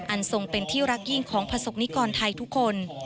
ทรงเป็นที่รักยิ่งของประสบนิกรไทยทุกคน